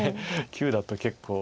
「９」だと結構。